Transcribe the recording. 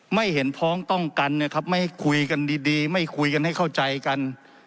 ไม่เห็นพ้องต้องกันนะครับไม่ให้คุยกันดีไม่คุยกันให้เข้าใจกัน